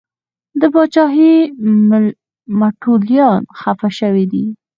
د پاچاهۍ متولیان خفه شوي دي.